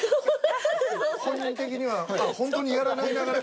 本人的にはホントにやらない流れ。